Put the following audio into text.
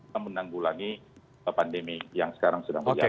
yang menanggulangi pandemi yang sekarang sedang berjalan